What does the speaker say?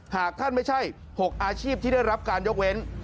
หากท่านไม่ใช่๖อาชีพที่ได้รับการยกเว้น